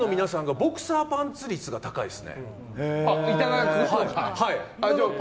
ボクサーパンツが多いです。